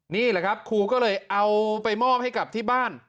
นี่แหละครับครูก็เลยเอาไปมอบให้กับที่บ้าน